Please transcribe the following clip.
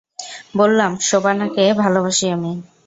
বললাম শোবানাকে ভালোবাসি আমি।